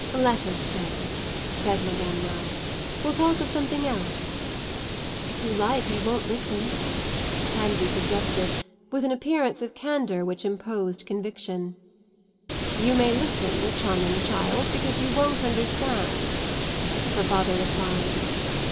"Let her stay," said Madame Merle. "We'll talk of something else." "If you like I won't listen," Pansy suggested with an appearance of candour which imposed conviction. "You may listen, charming child, because you won't understand," her father replied.